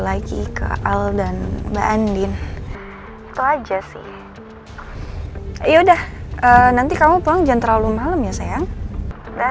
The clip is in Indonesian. pergi ke al dan bandin itu aja sih ya udah nanti kamu pulang jangan terlalu malem ya sayang udah